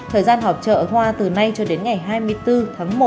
thời gian họp chợ hoa từ nay cho đến ngày hai mươi bốn tháng một